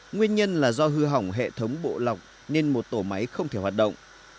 nguyên nhân là do hư hỏng hệ thống bộ lọc nên một tổ máy không thể hoạt động